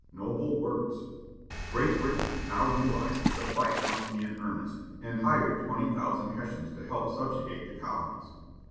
Noble words! Great Britain now realized that the fight must be in earnest, and hired twenty thousand Hessians to help subjugate the colonies.